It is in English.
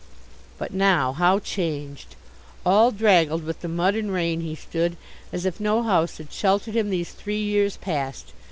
But now how changed. All draggled with the mud and rain he stood, as if no house had sheltered him these three years past.